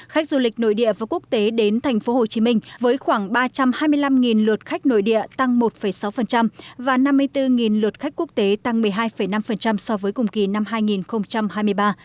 khách du lịch nội địa và quốc tế đến tp hcm với khoảng ba trăm hai mươi năm lượt khách nội địa tăng một sáu và năm mươi bốn lượt khách quốc tế tăng một mươi hai năm so với cùng kỳ năm hai nghìn hai mươi ba